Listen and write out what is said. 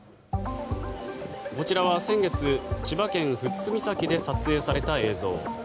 こちらは先月、千葉県・富津岬で撮影された映像。